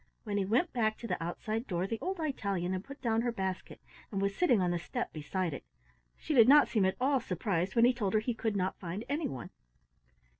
When he went back to the outside door the old Italian had put down her basket and was sitting on the step beside it. She did not seem at all surprised when he told her he could not find anyone.